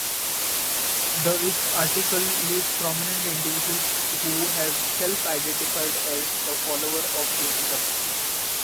This article lists prominent individuals who have self-identified as a follower of Jainism.